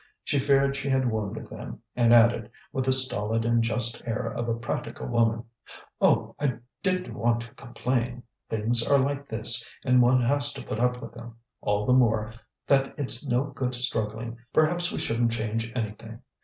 She feared she had wounded them, and added, with the stolid and just air of a practical woman: "Oh! I didn't want to complain. Things are like this, and one has to put up with them; all the more that it's no good struggling, perhaps we shouldn't change anything.